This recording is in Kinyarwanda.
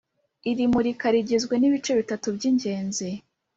Iri murika rigizwe n ibice bitatu by ingenzi